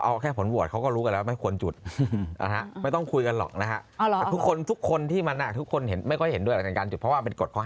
เอาแค่ผลโหวตเขาก็รู้กันแล้วว่าไม่ควรจุด